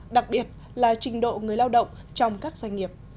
đặc biệt là trình độ người lao động trong các doanh nghiệp